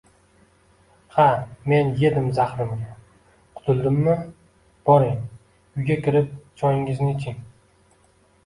– Ha, men yedim zahrimga! Qutuldimmi? Boring, uyga kirib, choyingizni iching